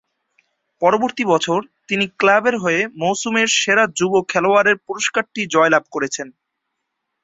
পরবর্তী বছর, তিনি ক্লাবের হয়ে মৌসুমের সেরা যুব খেলোয়াড়ের পুরস্কারটি জয়লাভ করেছেন।